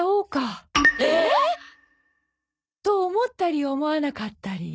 えっ！？と思ったり思わなかったり。